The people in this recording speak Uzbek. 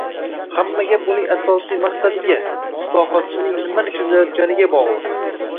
Hamma gap uning asosiy maqsadiga, islohotchining nimani ko‘zlayotganiga bog‘liq.